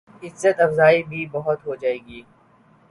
عزت افزائی بھی بہت ہو جائے گی۔